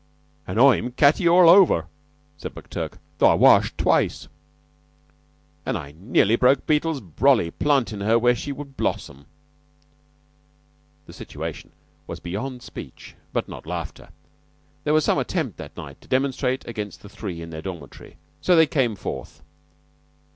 "An' I'm catty all over," said McTurk, "though I washed twice." "An' I nearly broke Beetle's brolly plantin' her where she would blossom!" The situation was beyond speech, but not laughter. There was some attempt that night to demonstrate against the three in their dormitory; so they came forth.